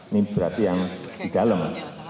ini berarti yang di dalam